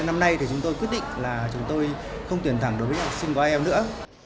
năm nay chúng tôi quyết định là chúng tôi không tuyển thẳng đối với học sinh của ielts nữa